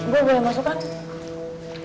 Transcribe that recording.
gue boleh masuk kan